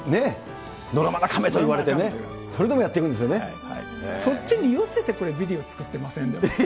のろまな亀と言われてね、それでそっちに寄せて、これ、ビデオ作ってません？